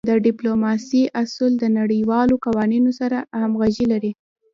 د ډیپلوماسی اصول د نړیوالو قوانینو سره همږغي لری.